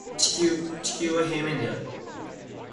地球は平面である